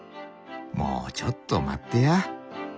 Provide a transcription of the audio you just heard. もうちょっと待ってや。